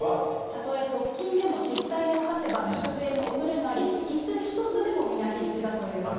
たとえ側近でも失態を犯せば粛清のおそれがあり、いす１つでも皆必死だということです。